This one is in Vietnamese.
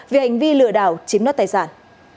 về hành vi lừa đảo chiếm đoạt tài sản